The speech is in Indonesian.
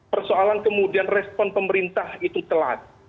persoalan kemudian respon pemerintah itu telat